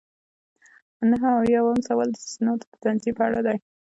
نهه اویایم سوال د اسنادو د تنظیم په اړه دی.